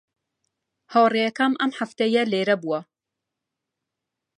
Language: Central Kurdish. هاوڕێکەم ئەم هەفتەیە لێرە بووە.